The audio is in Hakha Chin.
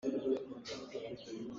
Changreu ka per dih in ka ra te lai.